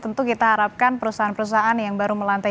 tentu kita harapkan perusahaan perusahaan yang baru melantai